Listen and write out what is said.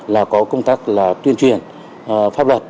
là có công tác là tuyên truyền pháp luật